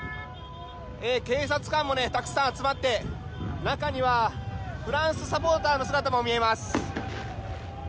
警察官もたくさん集まって中にはフランスサポーターの姿も見えます。